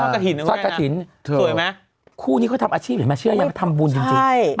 ฟัสกะถินแล้วไงนะสวยไหมคู่นี้เขาทำอาชีพเหรอไหมเชื่อไหมทำบุญจริง